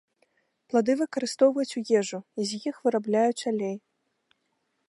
Плады выкарыстоўваюць у ежу, і з іх вырабляюць алей.